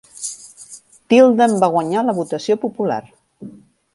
Tilden va guanyar la votació popular.